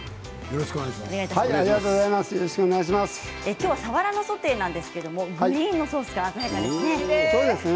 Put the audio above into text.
きょうはさわらのソテーですがグリーンのソースが鮮やかですね。